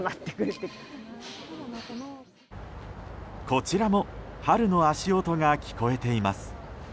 こちらも春の足音が聞こえています。